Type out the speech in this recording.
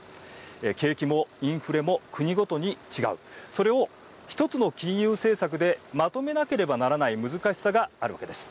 景気もインフレも国ごとに違うそれを１つの金融政策でまとめなければならない難しさがあるわけです。